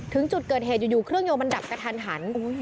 ถึงจุดเกิดเหตุอยู่เครื่องยนต์มันดับกระทันหัน